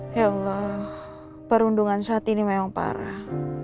ya allah perundungan saat ini memang parah